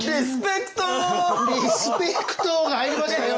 「リスペクト！」が入りましたよ！